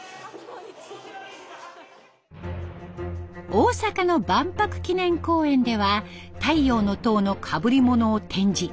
大阪の万博記念公園では太陽の塔のかぶりものを展示。